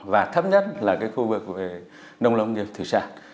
và thấp nhất là khu vực về nông nghiệp thủy sản